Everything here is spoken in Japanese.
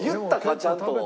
ちゃんと。